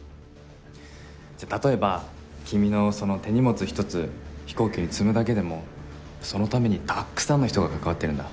じゃあ例えば君のその手荷物一つ飛行機に積むだけでもそのためにたくさんの人が関わってるんだ。